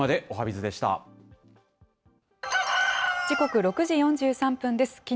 時刻、６時４３分です。